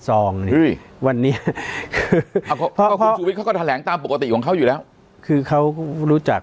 ซองวันนี้เขาทะแหลงตามปกติของเขาอยู่แล้วคือเขารู้จัก